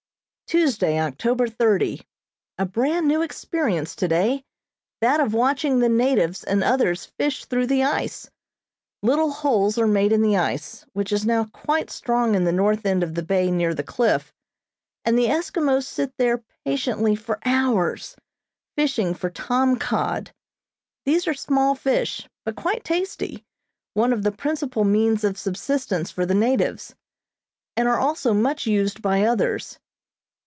Tuesday, October thirty: A brand new experience today that of watching the natives and others fish through the ice. Little holes are made in the ice, which is now quite strong in the north end of the bay near the cliff, and the Eskimos sit there patiently for hours, fishing for tom cod. These are small fish, but quite tasty, one of the principal means of subsistence for the natives, and are also much used by others.